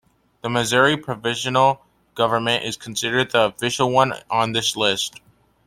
The Missouri Provisional Government is considered the official one on this list.